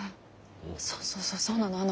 そうそうそうそうなの。